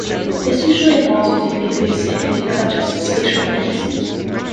This usually involves using database techniques such as spatial indices.